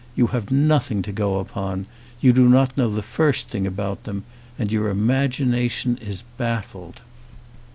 You have nothing to go upon, you do not know the first thing about them, and your imagination is baffled.